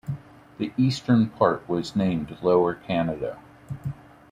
The eastern part was named Lower Canada.